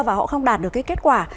và họ không đạt được cái kết quả